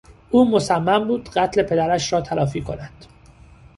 او مصمم بود قتل پدرش را تلافی کند.